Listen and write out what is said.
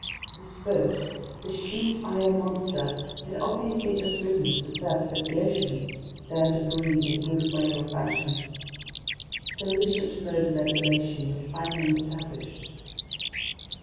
This boat, this sheet iron monster, had obviously just risen to the surface of the ocean, there to breathe in good whale fashion. So the ship's mode of ventilation was finally established.